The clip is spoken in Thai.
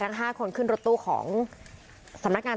เมื่อวานแบงค์อยู่ไหนเมื่อวาน